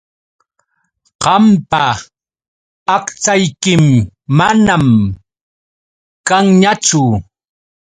Qampa aqchaykim manam kanñachu.